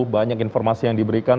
banyak informasi yang diberikan